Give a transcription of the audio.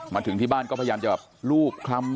มาถึงที่บ้านก็พยายามจะแบบ